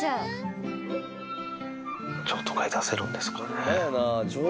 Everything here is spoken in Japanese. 譲渡会出せるんですかね。